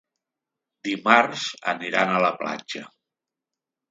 Dimarts aniran a la platja.